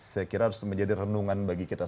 saya kira harus menjadi renungan bagi kita